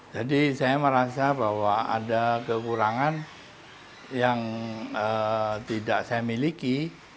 jadi saya merasa bahwa ada kekurangan yang tidak saya miliki